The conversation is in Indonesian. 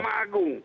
yang di puncak